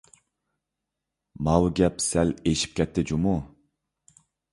ماۋۇ گەپ سەل ئېشىپ كەتتى جۇمۇ!